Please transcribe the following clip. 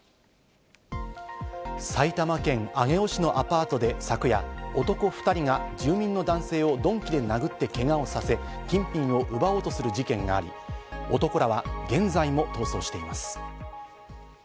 埼玉県上尾市のアパートで昨夜、男２人が住民の男性を鈍器で殴ってけがをさせ、金品を奪おうとする事件があり、男らは現在も逃走しています。